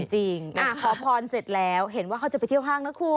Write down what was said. จริงขอพรเสร็จแล้วเห็นว่าเขาจะไปเที่ยวห้างนะคุณ